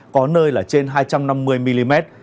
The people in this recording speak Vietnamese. có nơi là trên hai trăm năm mươi mm